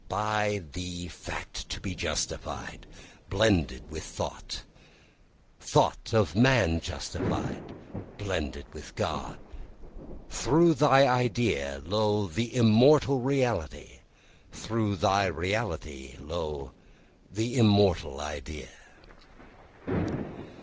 By thee fact to be justified, blended with thought, Thought of man justified, blended with God, Through thy idea, lo, the immortal reality! Through thy reality, lo, the immortal idea!